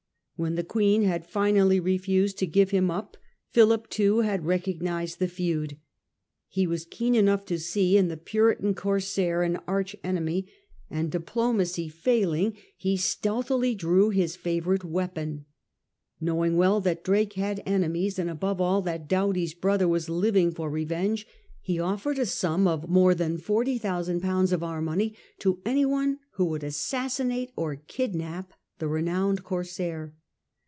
When the Queen had finally refused to give him up, Philip too had recognised the feud. He was keen enough to see in the Puritan corsair an arch enemy, and diplomacy failing, he stealthily drew his favourite weapon. Knowing well that Drake had enemies, and above all that Doughty's brother was living for revenge, he offered a sum of more than forty thousand pounds of our money to any one who would assassinate or kidnap the renowned corsair.